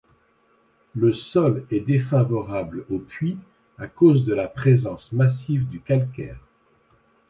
Le sol est défavorable au puits à cause de la présence massive du calcaire.